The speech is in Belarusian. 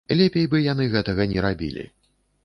Лепей бы яны гэтага не рабілі.